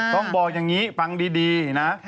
ต้องบอกอย่างนี้ฟังดีนะ